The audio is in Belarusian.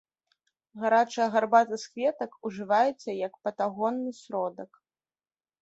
Гарачая гарбата з кветак ужываецца як патагонны сродак.